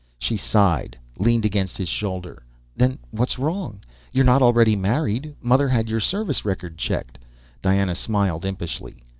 She sighed, leaned against his shoulder. "Then what's wrong? You're not already married. Mother had your service record checked." Diana smiled impishly.